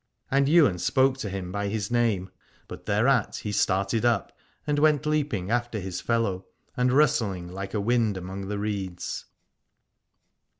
And Ywain spoke to him by his name : 196 Alad ore but thereat he started up and went leaping after his fellow, and rustling like a wind among the reeds.